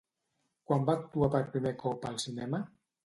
Quan va actuar per primer cop al cinema?